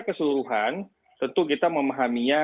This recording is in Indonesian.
keseluruhan tentu kita memahaminya